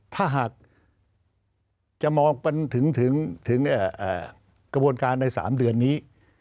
ถ้าหากจะมองถึงกระบวนการใน๓เดือนนี้